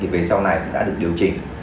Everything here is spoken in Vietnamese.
về sau này cũng đã được điều chỉnh